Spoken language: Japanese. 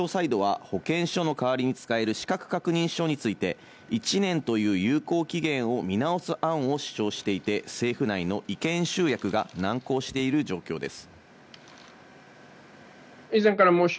特に厚生労働省サイドは保健証の代わりに使える資格確認書について、１年という有効期限を見直す案を主張していて、政府内の意見集約が難航している状況です。